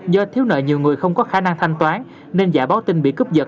do thiếu nợ nhiều người không có khả năng thanh toán nên giải báo tin bị cướp giật